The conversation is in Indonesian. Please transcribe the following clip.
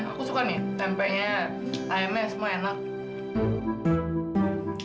aku suka nih tempenya ayamnya semua enak